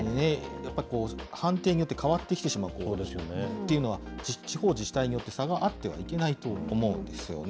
やっぱこう、判定医によって変わってきてしまっているというのは、地方自治体によって差があってはいけないと思うんですよね。